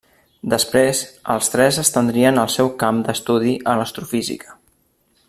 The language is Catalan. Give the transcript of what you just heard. Després, els tres estendrien el seu camp d'estudi a l'astrofísica.